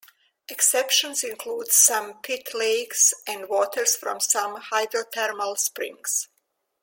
Exceptions include some pit lakes and waters from some hydrothermal springs.